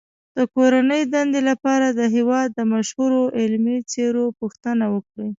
د کورنۍ دندې لپاره د هېواد د مشهورو علمي څیرو پوښتنه وکړئ.